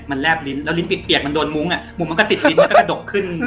มันแลบลิ้นแล้วลิ้นเปียกมันโดนมุ้งอ่ะมุ้งมันก็ติดลิ้นแล้วก็กระดกขึ้น